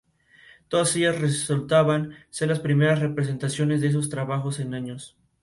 El programa se usa frecuentemente en escuelas como medio educativo.